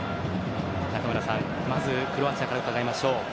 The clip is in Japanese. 中村さん、まずクロアチアから伺いましょう。